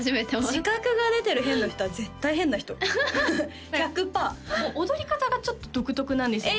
自覚が出てる変な人は絶対変な人１００パーもう踊り方がちょっと独特なんですよね